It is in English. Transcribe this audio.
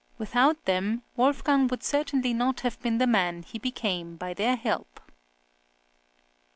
Without them, Wolfgang would certainly not have been the man he became by their help.